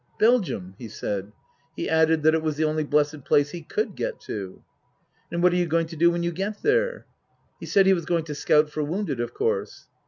" Belgium," he said. He added that it was the only blessed place he could get to. " And what are you going to do when you get there ?" He said he was going to scout for wounded, of course.